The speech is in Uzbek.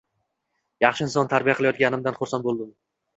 Yaxshi inson tarbiya qilayotganimdan xursand boʻldim...